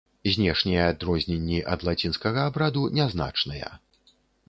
Знешнія адрозненні ад лацінскага абраду нязначныя.